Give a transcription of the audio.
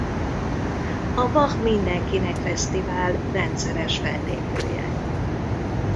A Bach Mindenkinek Fesztivál rendszeres fellépője.